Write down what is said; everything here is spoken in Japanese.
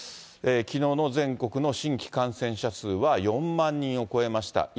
きのうの全国の新規感染者数は、４万人を超えました。